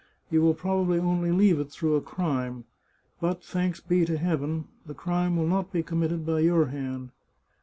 You will probably only leave it through a crime, but, thanks be to Heaven ! the crime will not be committed by your hand.